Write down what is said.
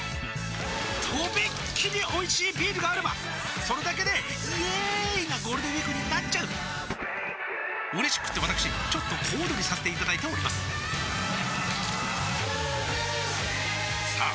とびっきりおいしいビールがあればそれだけでイエーーーーーイなゴールデンウィークになっちゃううれしくってわたくしちょっと小躍りさせていただいておりますさあ